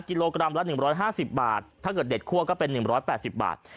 กิโลกรัมละหนึ่งร้อยห้าสิบบาทถ้าเกิดเด็ดคั่วก็เป็นหนึ่งร้อยแปดสิบบาท